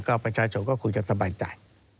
ก็ประชาชนก็คงจะสบายใจ